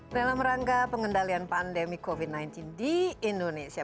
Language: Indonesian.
dalam rangka pengendalian pandemi covid sembilan belas di indonesia